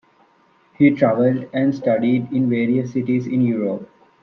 He traveled and studied in various cities in Europe.